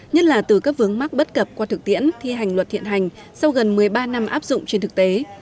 nhất là từ các vướng mắc bất cập qua thực tiễn thi hành luật thiện hành sau gần một mươi ba năm áp dụng trên thực tế